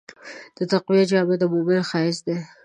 د تقوی جامه د مؤمن ښایست دی.